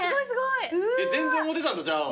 全然思うてたんとちゃう。